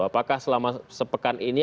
apakah selama sepekan ini